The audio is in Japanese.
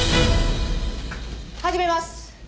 始めます。